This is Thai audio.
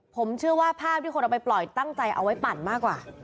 ผมเชื่อว่าภาพที่คนเอาไปปล่อยตั้งใจเอาไว้ปั่นมากกว่า